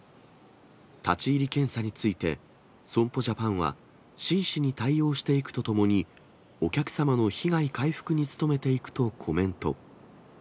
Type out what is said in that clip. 立ち入り検査について、損保ジャパンは、真摯に対応していくとともに、お客様の被害回復に努めていくとコメント。